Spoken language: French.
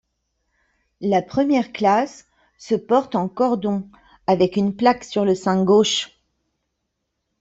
La première classe se porte en cordon avec une plaque sur le sein gauche.